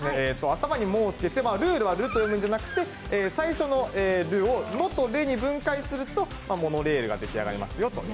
頭にモをつけてルールはルと読むんじゃなくて最初の「ル」を「ノ」と「レ」分けるとモノレールが出来上がりますよと。